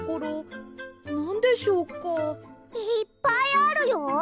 いっぱいあるよ。